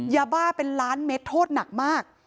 ยาบ้าเป็นล้านเมตรโทษหนักมาก